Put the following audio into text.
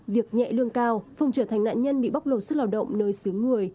việc nhẹ lương cao không trở thành nạn nhân bị bóc lột sức lao động nơi xứ người